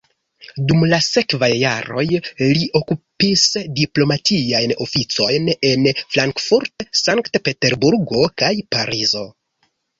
Dum la sekvaj jaroj, li okupis diplomatiajn oficojn en Frankfurt, Sankt-Peterburgo kaj Parizo.